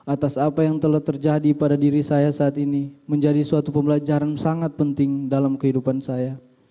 atas apa yang telah terjadi pada diri saya saat ini menjadi suatu pembelajaran sangat penting dalam kehidupan saya